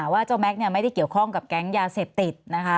ว่าเจ้าแม็กซ์ไม่ได้เกี่ยวข้องกับแก๊งยาเสพติดนะคะ